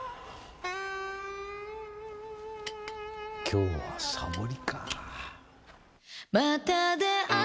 今日はサボリか。